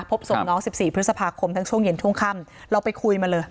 พบศพน้อง๑๔พฤษภาคมทั้งช่วงเย็นช่วงค่ำเราไปคุยมาเลย